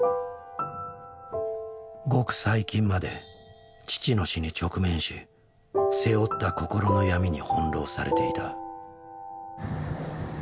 ごく最近まで父の死に直面し背負った心の闇に翻弄されていた。